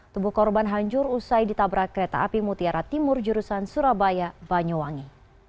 tubuh korban hancur usai ditabrak kereta api mutiara timur jurusan surabaya banyuwangi